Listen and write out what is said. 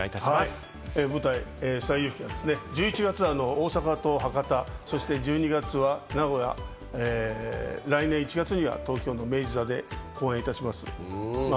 舞台『西遊記』が１１月に大阪と博多、１２月が名古屋、来年１月には東京の明治座で公演いたします。